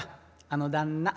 あの旦那